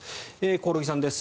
興梠さんです。